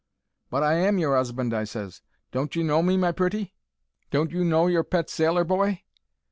"'But I am your 'usband,' I ses. 'Don't you know me, my pretty? Don't you know your pet sailor boy?'